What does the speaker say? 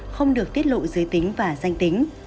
không được tiết lộ dưới tính và danh tính